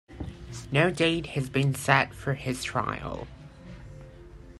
No date has been set for his trial.